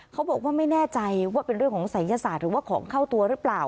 เขาบอกว่าไม่แน่ใจว่าเป็นเรื่องของศัยศาสตร์หรือว่าของเข้าตัวหรือเปล่า